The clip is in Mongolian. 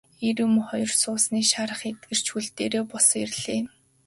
Эр эм хоёр суусрын шарх эдгэрч хөл дээрээ босон ирлээ.